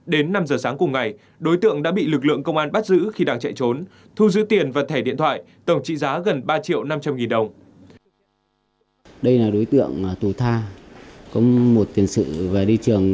đến năm giờ sáng cùng ngày đối tượng đã bị lực lượng trộm cắp tài sản và bố trí lực lượng về bắt